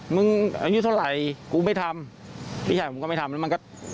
มึงอายุเท่าไหร่กูไม่ทำพี่ชายผมก็ไม่ทำแล้วมันก็